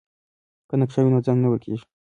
که نقشه وي نو ځای نه ورکیږي.